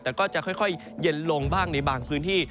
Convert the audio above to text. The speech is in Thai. แต่ก็จะค่อยเย็นลงบ้างในบางพื้นที่